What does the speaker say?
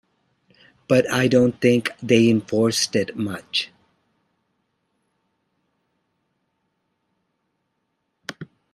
But I don't think they enforced it much.